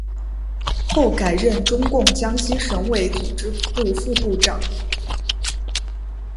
后改任中共江西省委组织部副部长。